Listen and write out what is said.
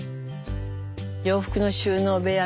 洋服の収納部屋です。